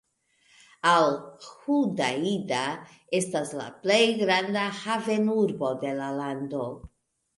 Al-Hudaida estas la plej granda havenurbo de la lando.